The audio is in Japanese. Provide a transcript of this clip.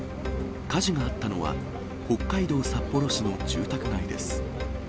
火事があったのは、北海道札幌市の住宅街です。